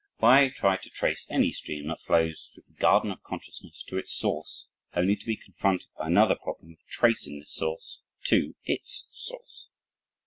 Why try to trace any stream that flows through the garden of consciousness to its source only to be confronted by another problem of tracing this source to its source?